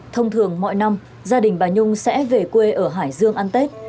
thông thường mọi năm gia đình bà nhung sẽ về quê ở hải dương ăn tết